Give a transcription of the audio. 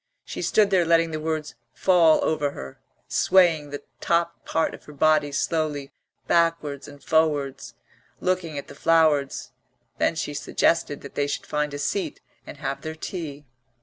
She stood there letting the words fall over her, swaying the top part of her body slowly backwards and forwards, looking at the flowers. Then she suggested that they should find a seat and have their tea.